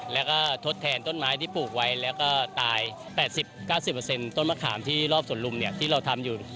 แล้วก็ทดแทนต้นไม้ที่ปลูกไว้แล้วก็ตาย๘๐๙๐ต้นมะขามที่รอบสวนลุมที่เราทำอยู่